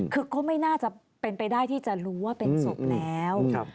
คือก็ไม่น่าจะเป็นไปได้ที่จะรู้ว่าเป็นศพแล้ว